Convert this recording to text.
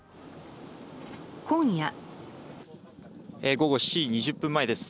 午後７時２０分前です。